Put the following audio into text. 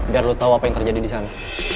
biar lu tau apa yang terjadi disana